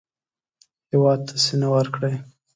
هېواد ته سینه ورکړئ